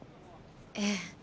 ええ。